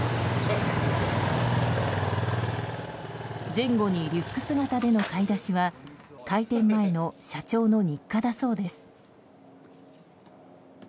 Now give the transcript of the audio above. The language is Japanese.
前後にリュック姿での買い出しは開店前の社長の日課だそうです。